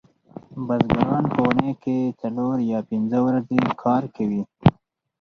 بزګران په اونۍ کې څلور یا پنځه ورځې کار کوي